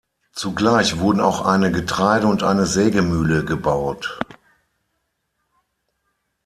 Zugleich wurden auch eine Getreide- und eine Sägemühle gebaut.